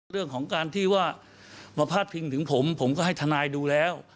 เรื่องของการที่ว่ามาพาดพิงถึงผมผมก็ให้ทนายดูแล้ว